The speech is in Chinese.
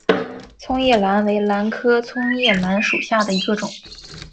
葱叶兰为兰科葱叶兰属下的一个种。